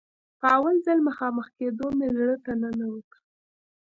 په اول ځل مخامخ کېدو مې زړه ته ننوته.